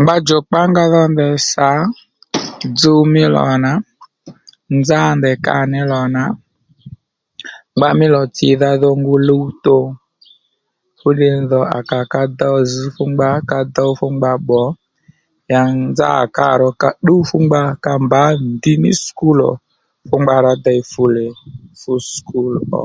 Ngba djòkpá nga dho ndèy sà dzuw mí lò nà, nzá ndèy kâ ní lò nà ngba mí lò tsìdha dho ngu luwthò fú ddiy dhò à kà ka dho zž fú ngba bbò ya nzá à kâ rò ka ddúw fú ngba ka mbǎ ndǐ ní skul ò fú ngba rá dey fulè fú skul ò